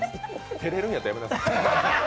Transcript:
照れるんやったらやめなさい。